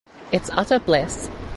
It’s utter bliss.